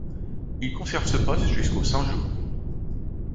Il conserve ce poste jusqu'aux Cent-Jours.